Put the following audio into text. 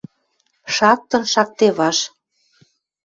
Шактын шакте вашт.